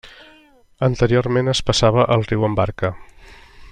Anteriorment es passava el riu amb barca.